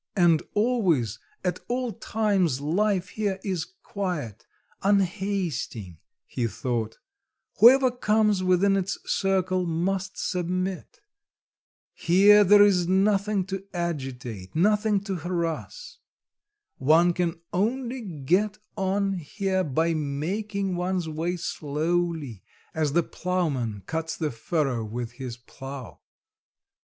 "And always, at all times life here is quiet, unhasting," he thought; "whoever comes within its circle must submit; here there is nothing to agitate, nothing to harass; one can only get on here by making one's way slowly, as the ploughman cuts the furrow with his plough.